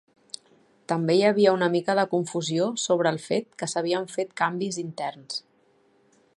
També hi havia una mica de confusió sobre el fet que s'havien fet canvis interns.